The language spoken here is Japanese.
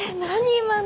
今の。